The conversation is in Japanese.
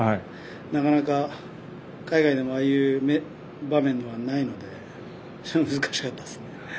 なかなか、海外でもああいう場面はないので難しかったですね。